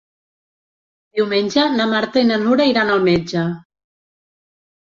Diumenge na Marta i na Nura iran al metge.